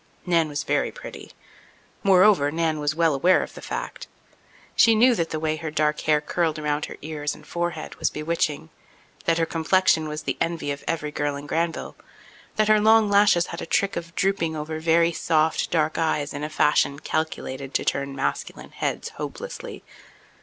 Nan was very pretty. Moreover, Nan was well aware of the fact. She knew that the way her dark hair curled around her ears and forehead was bewitching; that her complexion was the envy of every girl in Granville; that her long lashes had a trick of drooping over very soft, dark eyes in a fashion calculated to turn masculine heads hopelessly.